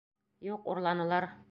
Юҡ, урланылар.